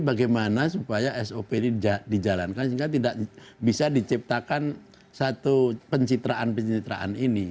bagaimana supaya sop ini dijalankan sehingga tidak bisa diciptakan satu pencitraan pencitraan ini